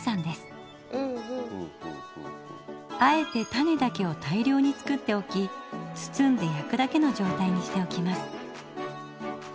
あえてタネだけを大量に作っておき包んで焼くだけの状態にしておきます。